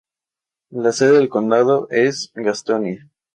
La sede del condado es Gastonia.